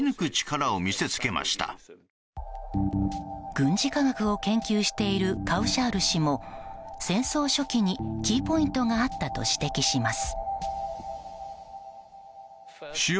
軍事科学を研究しているカウシャール氏も戦争初期に、キーポイントがあったと指摘します。